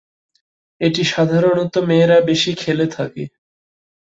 এটি সাধারনত মেয়েরা বেশি খেলে থাকে।